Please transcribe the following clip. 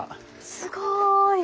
すごい。